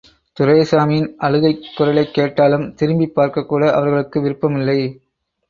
துரைசாமியின் அழுகைக் குரலைக் கேட்டாலும், திரும்பிப் பார்க்கக்கூட, அவர்களுக்கு விருப்பமில்லை.